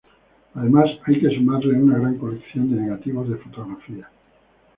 Además, hay que sumarle una gran colección de negativos de fotografías.